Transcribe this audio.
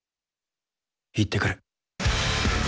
行ってくる。